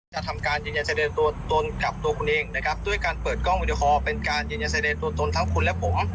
จะทำการยืนยันแสดงตัวตนกับตัวคุณเองนะครับด้วยการเปิดกล้องวิดีโอคอลเป็นการยืนยันแสดงตัวตนทั้งคุณและผม